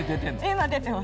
今出てます。